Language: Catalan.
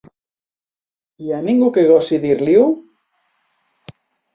Hi ha ningú que gosi dir-li-ho?